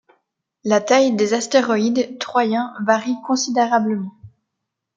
La taille des astéroïdes troyens varie considérablement.